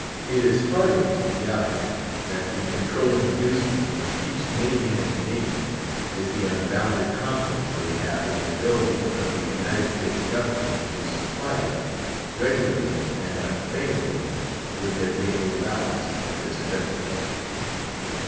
It is hardly to be doubted, that the controlling inducement which keeps many men in the Navy, is the unbounded confidence they have in the ability of the United States government to supply them, regularly and unfailingly, with their daily allowance of this beverage.